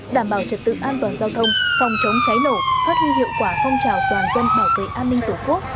đảm bảo trật tự an toàn giao thông phòng chống cháy nổ phát huy hiệu quả phong trào toàn dân bảo vệ an ninh tổ quốc